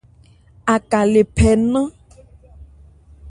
Aká le phɛ́ ńnán.